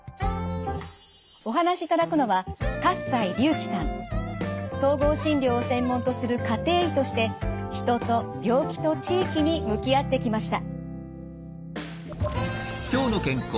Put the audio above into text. お話しいただくのは総合診療を専門とする家庭医として人と病気と地域に向き合ってきました。